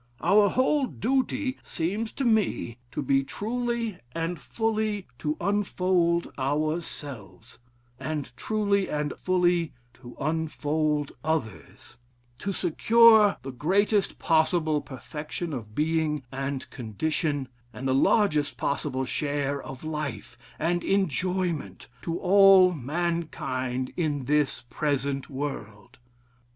Our whole duty seems to me to be truly and fully to unfold ourselves, and truly and fully to unfold others: to secure the greatest possible perfection of being and condition, and the largest possible share of life and enjoyment to all mankind in this present world.